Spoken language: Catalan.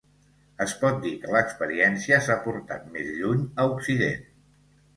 Es pot dir que l'experiència s'ha portat més lluny a Occident.